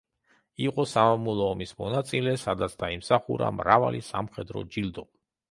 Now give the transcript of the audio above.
იყო სამამულო ომის მონაწილე, სადაც დაიმსახურა მრავალი სამხედრო ჯილდო.